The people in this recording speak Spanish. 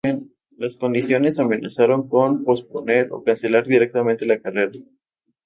Las condiciones amenazaron con posponer o cancelar directamente la carrera.